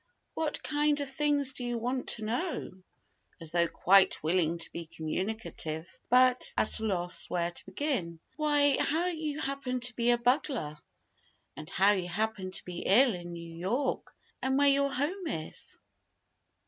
"What kind of things do you want to know?" as though quite willing to be communicative, but at a loss where to begin. "Why, how you happened to be a bugler, and how you happened to be ill in New York, and where your home is?"